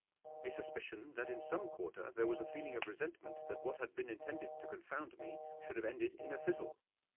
A suspicion that in some quarter there was a feeling of resentment that what had been intended to confound me should have ended in a fizzle.